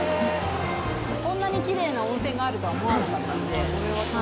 こんなにきれいな温泉があるとは思わなかったんで。